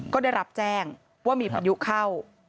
ก็ได้รับแจ้งว่ามีพายุเข้า